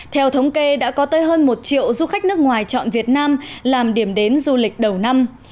theo thống kê đã có tới hơn một triệu du khách nước ngoài chọn việt nam làm điểm đến du lịch đầu năm